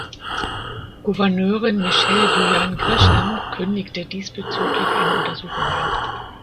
Gouverneurin Michelle Lujan Grisham kündigte diesbezüglich eine Untersuchung an.